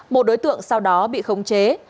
một đối tượng sau đó bị khống chế